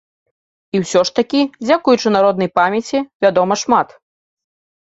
І ўсё ж такі, дзякуючы народнай памяці, вядома шмат.